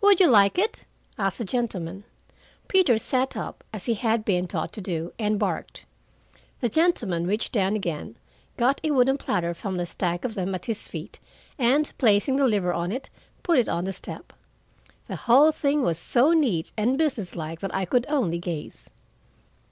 "Would you like it?" asked the gentleman. Peter sat up, as he had been taught to do, and barked. The gentleman reached down again, got a wooden platter from a stack of them at his feet, and placing the liver on it, put it on the step. The whole thing was so neat and businesslike that I could only gaze.